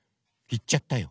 いっちゃったよ。